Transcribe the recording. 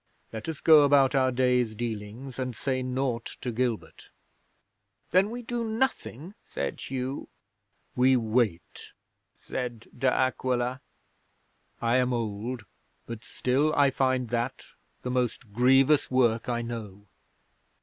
Let us go about our day's dealings, and say naught to Gilbert." '"Then we do nothing?" said Hugh. '"We wait," said De Aquila. "I am old, but still I find that the most grievous work I know."